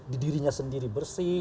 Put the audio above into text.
didirinya sendiri bersih